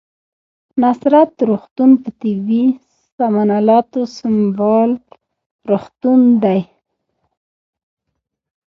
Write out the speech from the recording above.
نصرت روغتون په طبي سامان الاتو سمبال روغتون دی